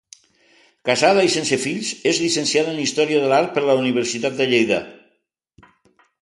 Casada i sense fills, és llicenciada en Història de l'Art per la Universitat de Lleida.